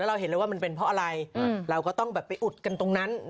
เราเห็นเลยว่ามันเป็นเพราะอะไรเราก็ต้องแบบไปอุดกันตรงนั้น